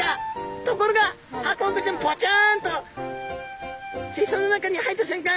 ところがハコフグちゃんぽちゃんと水槽の中に入った瞬間